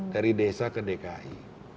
dari desa ke dki